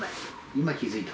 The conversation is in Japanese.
今気付いた？